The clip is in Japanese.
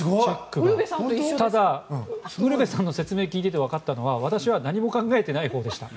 ただ、ウルヴェさんの説明を聞いていたわかったのは私は何も考えていないほうでした。